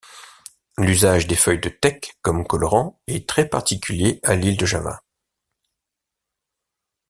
L'usage des feuilles de teck comme colorant est très particulier à l'île de Java.